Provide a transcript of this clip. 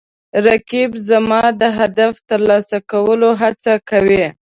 رقیب زما د هدف ترلاسه کولو هڅه ده